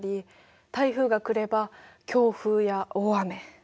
台風が来れば強風や大雨。